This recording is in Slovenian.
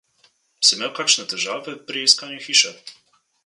Si imel kakšne težave pri iskanju hiše?